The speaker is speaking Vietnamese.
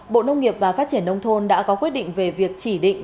bộ nông nghiệp và phát triển nông thôn đã có quyết định về việc chỉ định